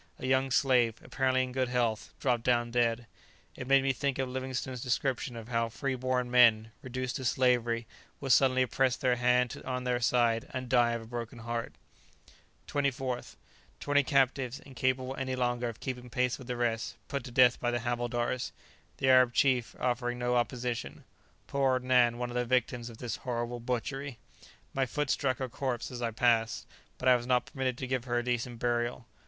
A young slave, apparently in good health, dropped down dead. It made me think of Livingstone's description of how free born men, reduced to slavery, will suddenly press their hand on their side, and die of a broken heart. [Illustration: More slaves sick, and abandoned to take their chance.] 24th. Twenty captives, incapable any longer of keeping pace with the rest, put to death by the havildars, the Arab chief offering no opposition. Poor old Nan one of the victims of this horrible butchery. My foot struck her corpse as I passed, but I was not permitted to give her a decent burial.